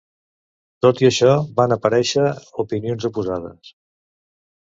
Tot i això, van aparèixer opinions oposades.